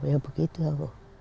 ya begitu aku